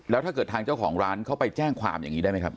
แล้วถ้าเกิดทางเจ้าของร้านเขาไปแจ้งความอย่างนี้ได้ไหมครับ